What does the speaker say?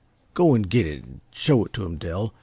Go and get it an' show it to him, Dell.